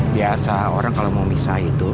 biasa orang kalau mau misah itu